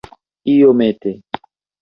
iomete